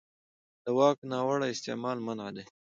د واک ناوړه استعمال منع دی.